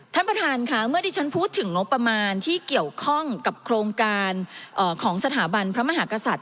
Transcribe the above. ท่านประธานค่ะเมื่อที่ฉันพูดถึงงบประมาณที่เกี่ยวข้องกับโครงการของสถาบันพระมหากษัตริย